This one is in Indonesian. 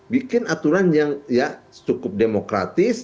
bikin aturan yang cukup demokratis